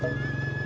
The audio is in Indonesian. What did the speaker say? terima kasih pak